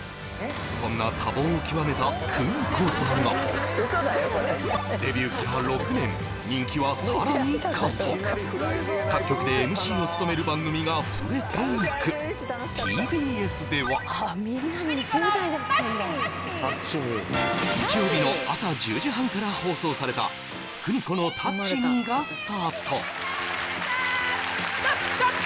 そんな多忙を極めた邦子だがデビューから６年人気はさらに加速各局でＭＣを務める番組が増えていくＴＢＳでは日曜日の朝１０時半から放送された「邦子のタッチ・みー！」がスタートストップストップ